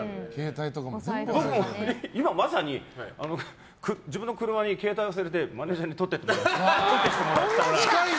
僕も今、まさに自分の車に携帯忘れて、マネジャーに取って来てもらった。